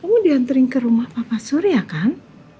kamu diantarin ke rumah papa surya kan